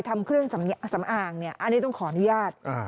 ทำเครื่องสำอางเนี่ยอันนี้ต้องขออนุญาต